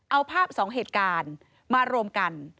เอาภาพ๒เหตุการณ์มารวมกัน